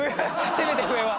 せめて笛は。